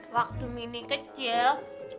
waktu minya kecil